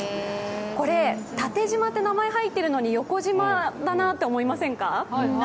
これ、タテジマと名前入っているのに横じまだなと思いませんか？